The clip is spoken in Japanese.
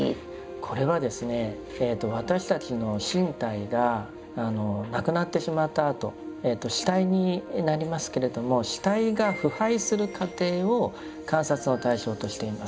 これはですね私たちの身体がなくなってしまったあと死体になりますけれども死体が腐敗する過程を観察の対象としています。